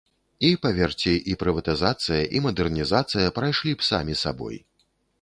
І, паверце, і прыватызацыя, і мадэрнізацыя прайшлі б самі сабой.